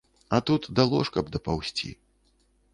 А тут да ложка б дапаўзці.